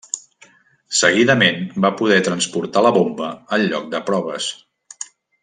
Seguidament, va poder transportar la bomba al lloc de proves.